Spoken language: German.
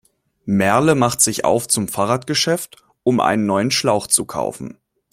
Merle macht sich auf zum Fahrradgeschäft, um einen neuen Schlauch zu kaufen.